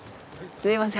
すいません